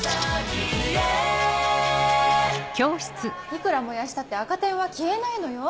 いくら燃やしたって赤点は消えないのよ？